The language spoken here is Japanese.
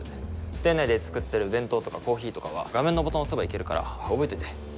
店内で作ってる弁当とかコーヒーとかは画面のボタンを押せばいけるから覚えといて。